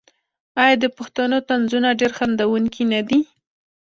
آیا د پښتنو طنزونه ډیر خندونکي نه دي؟